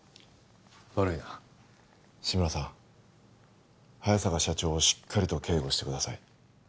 悪いな志村さん早坂社長をしっかりと警護してください